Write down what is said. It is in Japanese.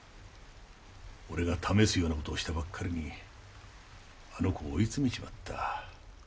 俺が試すような事をしたばっかりにあの子を追い詰めちまった。